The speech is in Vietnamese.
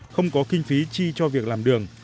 không có kinh phí chi cho việc làm đường